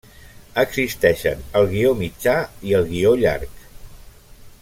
Existeixen el guió mitjà i el guió llarg.